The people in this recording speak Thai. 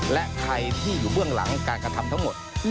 และใครที่อยู่เบื้องหลังการกระทำทั้งหมด